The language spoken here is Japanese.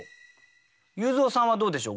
裕三さんはどうでしょう。